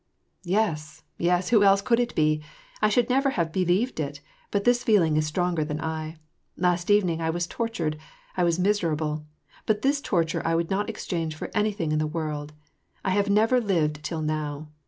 " Yes, yes, who else could it be ? I should never have be lieved it, but this feeling is stronger than I. Last evening I was tortured, I was miserable ; but this torture I would not exchange for anything in the world. I have never lived till now.